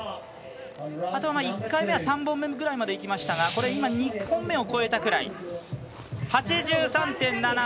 あとは１回目は３本目くらいまでいきましたが今のは２本目を越えたぐらい。